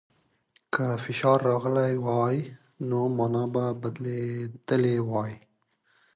که فشار راغلی وای، نو مانا به بدلېدلې وای.